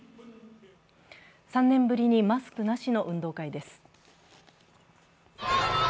３年ぶりにマスクなしの運動会です。